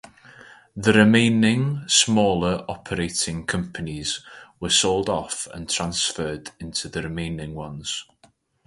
The remaining smaller operating companies were sold off or transferred into the remaining ones.